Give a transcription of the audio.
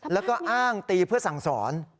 แล้วก็อ้างตีเพื่อสั่งสอน